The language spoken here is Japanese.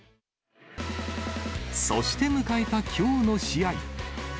そして迎えたきょうの試合。